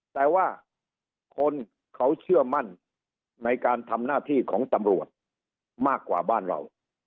แต่ว่าคนเขาเชื่อมั่นในการทำหน้าที่ของตำรวจมากกว่าบ้านเรา